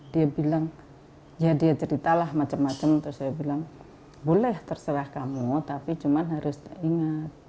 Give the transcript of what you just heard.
dia bilang ya dia ceritalah macam macam terus saya bilang boleh terserah kamu tapi cuma harus ingat